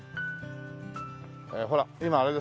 ほら今あれですよ